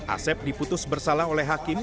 asep diputus bersalah oleh hakim